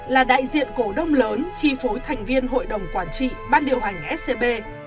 là đại diện cổ đông lớn chi phối thành viên hội đồng quản trị bát điều hành scb